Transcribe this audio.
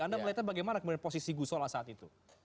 anda melihatnya bagaimana kemudian posisi gus soleh saat itu